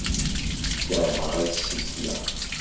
Kerheɣ ad ssikleɣ.